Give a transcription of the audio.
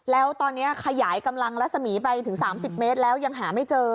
แล้วตอนนี้ขยายกำลังรัศมีร์ไปถึง๓๐เมตรแล้วยังหาไม่เจอ